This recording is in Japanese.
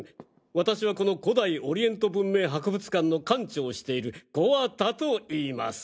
私はこの古代オリエント文明博物館の館長をしている木幡といいます。